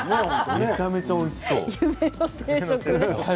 めちゃめちゃおいしそう。